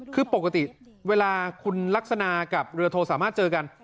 คือปกติเวลาคุณลักษณะกับเรือโทสามารถเจอกัน